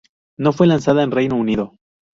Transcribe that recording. No fue lanzada en el Reino Unido.